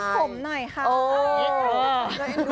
พี่ทีลูกผมหน่อยค่ะ